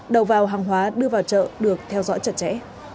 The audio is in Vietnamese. đầu vào hàng hóa đưa vào chợ được theo dõi chặt chẽ